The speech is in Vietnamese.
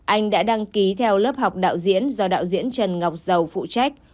anh đã đăng ký theo lớp học đạo diễn do đạo diễn trần ngọc dầu phụ trách